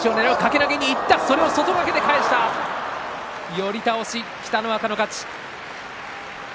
寄り倒し、北の若の勝ち。